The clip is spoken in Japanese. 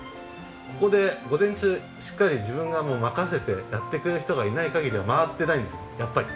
ここで午前中しっかり自分が任せてやってくれる人がいない限りは回ってないんですやっぱり。